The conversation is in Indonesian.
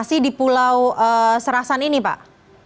lokasi di pulau serasan ini pak